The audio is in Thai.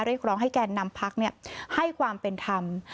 เรียกร้องให้แก่นำพักให้ความเป็นธรรม